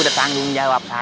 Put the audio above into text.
udah tanggung jawab saya